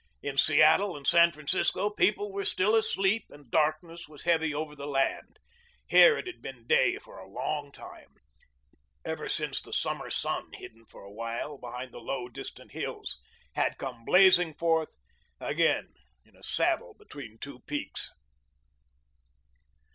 In Seattle and San Francisco people were still asleep and darkness was heavy over the land. Here it had been day for a long time, ever since the summer sun, hidden for a while behind the low, distant hills, had come blazing forth again in a saddle between two peaks.